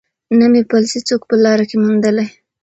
نه مي پل سي څوک په لاره کي میندلای